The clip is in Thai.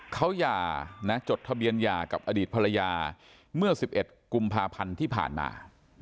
เขาหย่าจดทะเบียนหย่ากับอดีตภรรยาเมื่อ๑๑กุมภาพันธ์ที่ผ่านมา